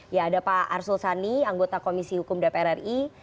ya ada pak arsul sani anggota komisi hukum dpr ri